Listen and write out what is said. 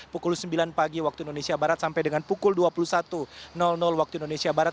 pukul sembilan pagi waktu indonesia barat sampai dengan pukul dua puluh satu waktu indonesia barat